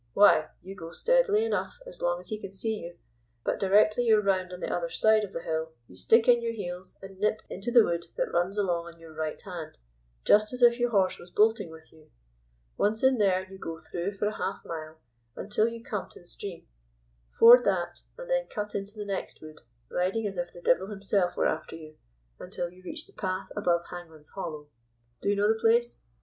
Why, you go steadily enough as long as he can see you, but directly you're round on the other side of the hill you stick in your heels, and nip into the wood that runs along on your right hand, just as if your horse was bolting with you. Once in there, you go through for a half a mile until you come to the stream, ford that, and then cut into the next wood, riding as if the devil himself were after you, until you reach the path above Hangman's Hollow. Do you know the place?"